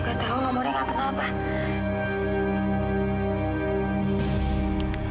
nggak tahu nomornya nggak pernah pak